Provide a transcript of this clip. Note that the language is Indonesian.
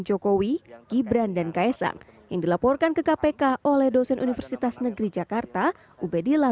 jokowi gibran dan kaisang yang dilaporkan ke kpk oleh dosen universitas negeri jakarta ubedillah